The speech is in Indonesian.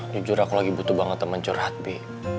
jujur aku lagi butuh banget teman curhat bi